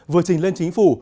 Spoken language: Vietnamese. vừa trình lên chính phủ